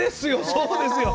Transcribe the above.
そうですよ。